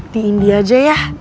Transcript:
di india aja ya